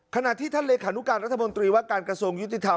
ขณะที่ท่านเลขานุการรัฐมนตรีว่าการกระทรวงยุติธรรม